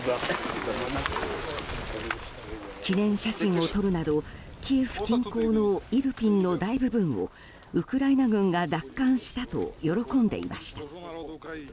記念写真を撮るなどキエフ近郊のイルピンの大部分をウクライナ軍が奪還したと喜んでいました。